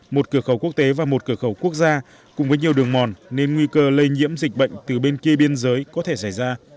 một cửa khẩu quốc tế và một cửa khẩu quốc gia cùng với nhiều đường mòn nên nguy cơ lây nhiễm dịch bệnh từ bên kia biên giới có thể xảy ra